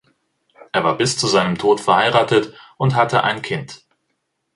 Er war bis zu seinem Tod verheiratet und hatte ein Kind.